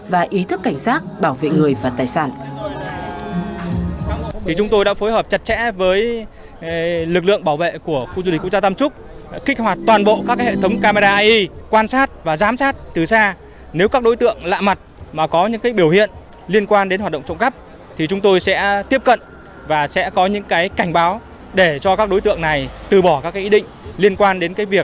và ý thức cảnh sát bảo vệ người và tài sản